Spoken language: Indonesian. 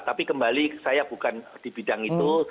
tapi kembali saya bukan di bidang itu